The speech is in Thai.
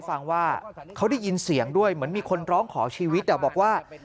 ฟังว่าเขาได้ยินเสียงด้วยเหมือนมีคนร้องขอชีวิตบอกว่า